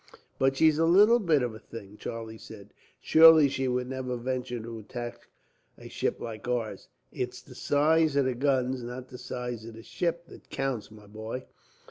"But she's a little bit of a thing," Charlie said. "Surely she would never venture to attack a ship like ours." "It's the size of the guns, not the size of the ship, that counts, my boy.